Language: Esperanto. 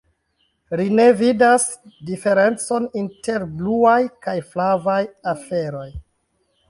Ri ne vidas diferencon inter bluaj kaj flavaj aferoj.